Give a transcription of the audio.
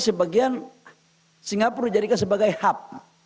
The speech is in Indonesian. sebagian singapura dijadikan sebagai hub